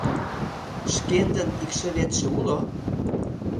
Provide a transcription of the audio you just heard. — Шкендын икшыветше уло?